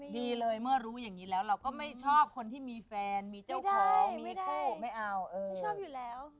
ดีเลยเมื่อรู้อย่างนี้แล้วเราก็ไม่ชอบคนที่มีแฟนมีเจ้าของมีคู่ไม่เอาไม่ชอบอยู่แล้ว